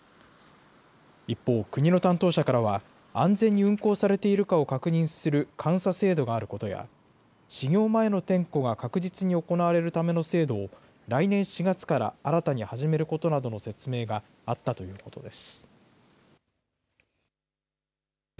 一方、国の担当者からは、安全に運行されているかを確認する監査制度があることや、始業前の点呼が確実に行われるための制度を来年４月から新たに始めることなどの説明があったということです。